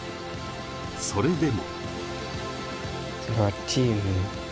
それでも。